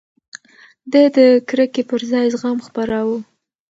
ده د کرکې پر ځای زغم خپراوه.